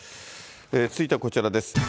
続いてはこちらです。